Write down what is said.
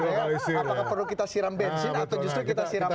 apakah perlu kita siram bensin atau justru kita siram